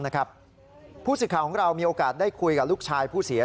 นะครับผู้ศิษย์ของเรามีโอกาสได้คุยกับลูกชายผู้เสีย